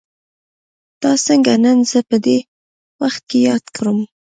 تا څنګه نن زه په دې وخت کې ياد کړم.